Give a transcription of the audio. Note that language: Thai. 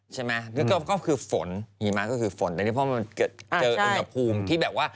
ใช่ไหมก็คือฝนหิมะก็คือฝนอันนี้เพราะมันเจออุณหภูมิที่แบบว่า